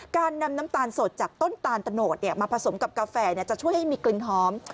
การนำน้ำตาลสดจากต้นตาลตะโนดมาผสมกับกาแฟจะช่วยให้มีกลิ่นหอม